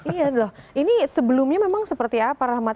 iya loh ini sebelumnya memang seperti apa rahmat